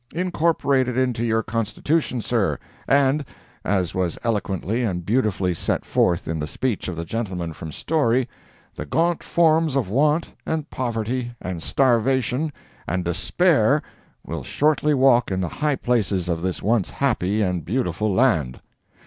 Incorporate it into your Constitution, sir, and (as was eloquently and beautifully set forth in the speech of the gentleman from Storey) the gaunt forms of want, and poverty, and starvation, and despair will shortly walk in the high places of this once happy and beautiful land.